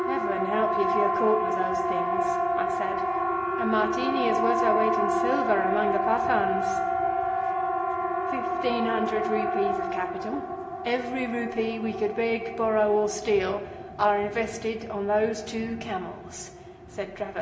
"Heaven help you if you are caught with those things!" I said. "A Martini is worth her weight in silver among the Pathans." "Fifteen hundred rupees of capital—every rupee we could beg, borrow, or steal—are invested on these two camels," said Dravot.